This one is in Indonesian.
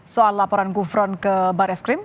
soal laporan gufron ke baris krim